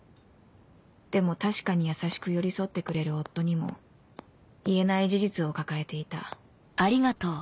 でも確かに優しく寄り添ってくれる夫にも言えない事実を抱えていた